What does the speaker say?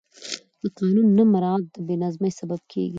د قانون نه مراعت د بې نظمي سبب کېږي